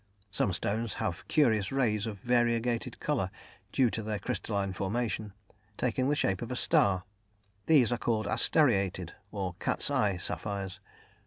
Some stones have curious rays of variegated colour, due to their crystalline formation, taking the shape of a star; these are called "asteriated," or "cat's eye" sapphires.